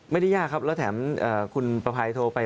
ยากครับแล้วแถมคุณประภัยโทรไป